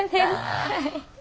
はい。